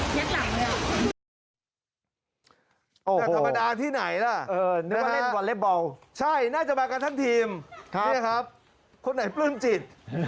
แต่ธรรมดาที่ไหนล่ะนะฮะใช่น่าจะมากับท่านทีมพี่นะครับคนไหนปลื้มจิต